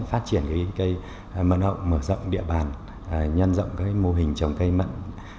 phát triển cái cây mận hậu mở rộng địa bàn nhân rộng cái mô hình trồng cây mận